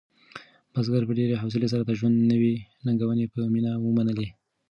بزګر په ډېرې حوصلې سره د ژوند نوې ننګونې په مینه ومنلې.